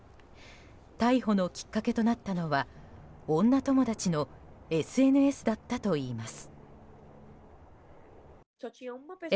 逮捕のきっかけとなったのは女友達のＳＮＳだったといいます。